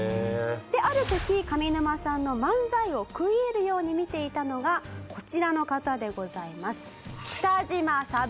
である時上沼さんの漫才を食い入るように見ていたのがこちらの方でございます。